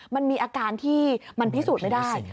มันมีอาการที่มันพิสูจน์ไม่ได้